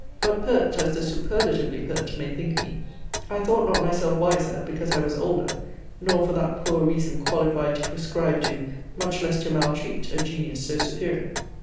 But pert as the superlatively pert may think me, I thought not myself wiser, because I was older; nor for that poor reason qualified to prescribe to, much less to maltreat, a genius so superior.